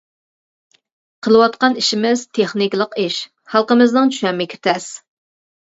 قىلىۋاتقان ئىشىمىز تېخنىكىلىق ئىش، خەلقىمىزنىڭ چۈشەنمىكى تەس.